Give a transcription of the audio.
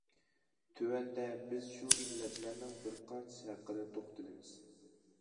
تۆۋەندە بىز شۇ ئىللەتلەرنىڭ بىر قانچىسى ھەققىدە توختىلىمىز.